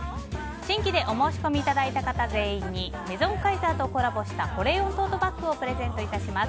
新規でお申し込みいただいた方全員にメゾンカイザーとコラボした保冷温トートバッグをプレゼントいたします。